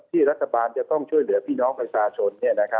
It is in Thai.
รัฐบาลจะต้องช่วยเหลือพี่น้องประชาชน